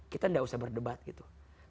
kita tidak usah berdebat gitu